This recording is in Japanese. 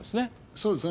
そうですね。